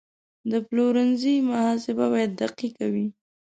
د پلورنځي محاسبه باید دقیقه وي.